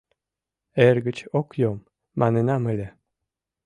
— Эргыч ок йом, манынам ыле.